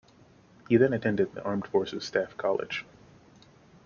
He then attended the Armed Forces Staff College.